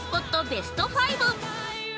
ベスト５。